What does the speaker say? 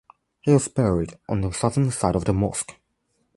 He was buried on the southern side of the mosque.